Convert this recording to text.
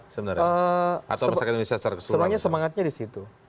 sebenarnya semangatnya di situ